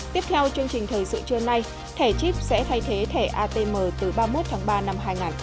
tiếp theo chương trình thời sự trưa nay thẻ chip sẽ thay thế thẻ atm từ ba mươi một tháng ba năm hai nghìn hai mươi